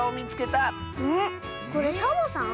これサボさん？